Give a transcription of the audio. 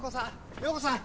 陽子さん。